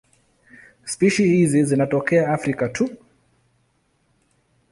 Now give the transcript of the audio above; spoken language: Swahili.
Spishi hizi zinatokea Afrika tu.